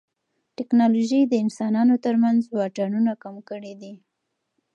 ټیکنالوژي د انسانانو ترمنځ واټنونه کم کړي دي.